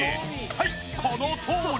はいこのとおり！